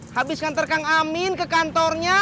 habis ngantar kang amin ke kantornya